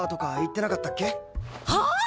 はあ？